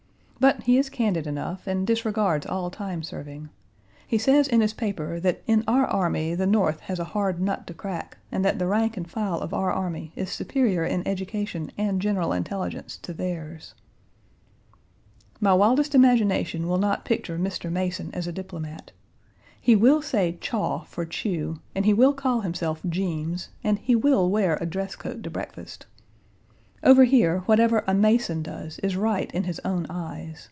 But, he is candid enough and disregards all time serving. He says in his paper that in our army the North has a hard nut to crack, and that the rank and file of our army is superior in education and general intelligence to theirs. My wildest imagination will not picture Mr. Mason1 as a diplomat. He will say chaw for chew, and he will call himself Jeems, and he will wear a dress coat to breakfast. Over here, whatever a Mason does is right in his own eyes.